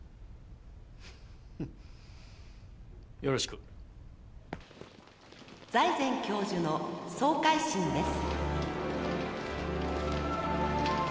「よろしく」「財前教授の総回診です」